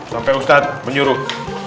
sampai ustadz menyuruh